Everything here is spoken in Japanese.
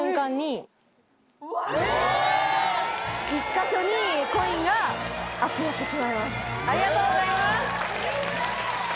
１か所にコインが集まってしまいます。